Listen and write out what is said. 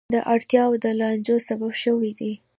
دا اړتیاوې د لانجو سبب شوې دي.